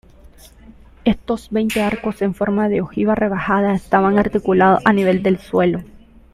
Estos veinte arcos en forma de ojiva rebajada, estaban articulados a nivel del suelo.